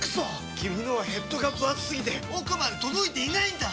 君のはヘッドがぶ厚すぎて奥まで届いていないんだっ！